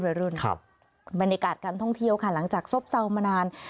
บรรยากาศการท่องเที่ยวค่ะหลังจากซ่อบเศร้ามานาน